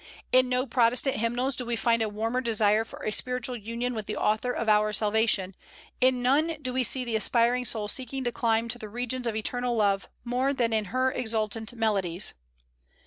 In no Protestant hymnals do we find a warmer desire for a spiritual union with the Author of our salvation; in none do we see the aspiring soul seeking to climb to the regions of eternal love more than in her exultant melodies.